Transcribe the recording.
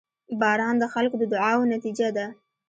• باران د خلکو د دعاوو نتیجه ده.